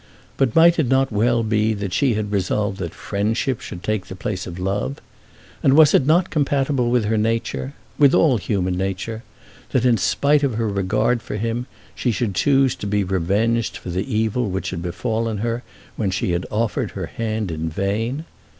But might it not well be that she had resolved that friendship should take the place of love? And was it not compatible with her nature, with all human nature, that in spite of her regard for him she should choose to be revenged for the evil which had befallen her, when she offered her hand in vain?